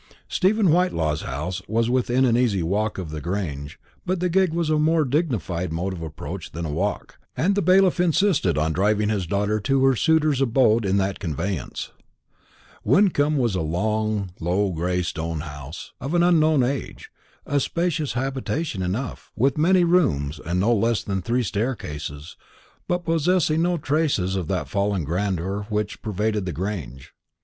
Stephen Whitelaw's house was within an easy walk of the Grange; but the gig was a more dignified mode of approach than a walk, and the bailiff insisted on driving his daughter to her suitor's abode in that conveyance. Wyncomb was a long low gray stone house, of an unknown age; a spacious habitation enough, with many rooms, and no less than three staircases, but possessing no traces of that fallen grandeur which pervaded the Grange.